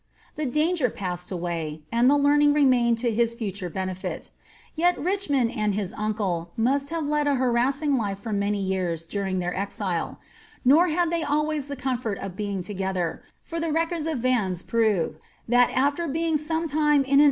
The danger passed away, the learning remained to his future benefit Yet Richmond and his uncle must have led a harassing life for many years during their exile; nor had they always the comfort of being to geilier, for tJie records of Vannes prove, that after being some time io an 'Hall, 303.